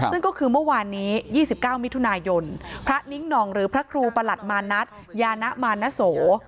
ซึ่งก็คือเมื่อวานนี้๒๙มิถุนายนพระนิ้งหน่องหรือพระครูประหลัดมานัทยานะมานโส